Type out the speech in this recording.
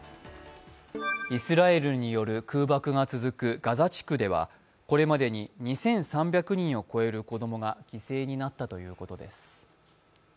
イスラエルによる空爆が続くガザ地区ではこれまでに２３００人を超える子供が犠牲になったということです。